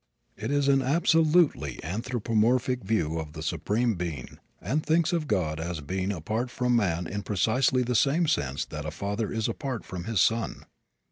It is an absolutely anthropomorphic view of the Supreme Being and thinks of God as being apart from man in precisely the same sense that a father is apart from his son.